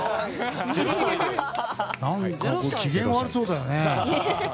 何か機嫌悪そうだよね。